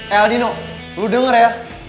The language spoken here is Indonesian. eh aldino lo denger ya